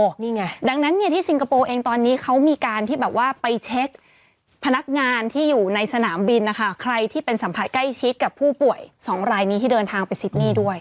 นี่ไงดังนั้นเนี่ยที่ซิงคโปร์เองตอนนี้เขามีการที่แบบว่าไปเช็คพนักงานที่อยู่ในสนามบินนะคะใครที่เป็นสัมผัสใกล้ชิดกับผู้ป่วยสองรายนี้ที่เดินทางไปซิดนี่ด้วย